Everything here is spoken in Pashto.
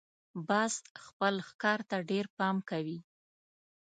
باز خپل ښکار ته ډېر پام کوي